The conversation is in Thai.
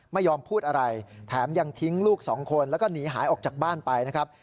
ไม่ยอมพูดอะไรแถมยังทิ้งลูกสองคนแล้วก็หนีหายออกจากบ้านไปนะครับ